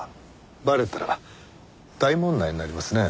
バレたら大問題になりますね。